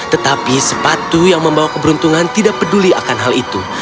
tetapi sepatu yang membawa keberuntungan tidak peduli akan hal itu